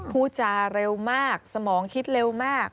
พูดจาเร็วมากสมองคิดเร็วมาก